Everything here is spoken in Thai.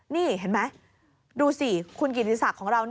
นี่เห็นไหมดูสิคุณกิติศักดิ์ของเรา